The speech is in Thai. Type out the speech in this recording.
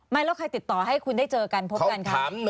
แล้วใครติดต่อให้คุณได้เจอกันพบกันคะ